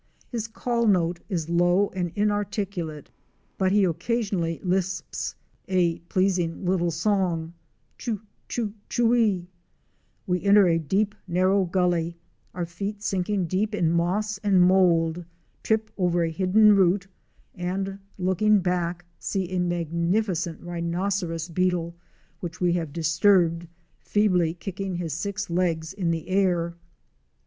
His call note is low and inarticulate, but he occasionally lisps a.pleasing little song; chu! chu! chitwee! We enter a deep narrow gully, our feet sinking deep in moss and mould, trip over a bidden root and, looking back, see a magnificent rhinocerés"beetle which we have disturbed, feebly kicking his six legs in the air.